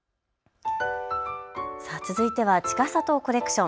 続いては、ちかさとコレクション。